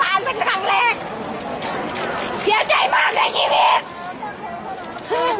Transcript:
อาหรับเชี่ยวจามันไม่มีควรหยุด